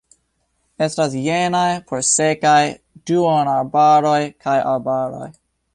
Estas jenaj por sekaj duonarbaroj kaj arbaroj.